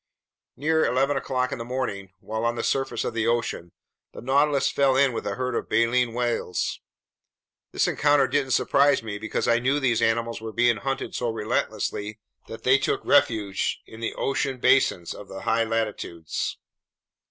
Near eleven o'clock in the morning, while on the surface of the ocean, the Nautilus fell in with a herd of baleen whales. This encounter didn't surprise me, because I knew these animals were being hunted so relentlessly that they took refuge in the ocean basins of the high latitudes.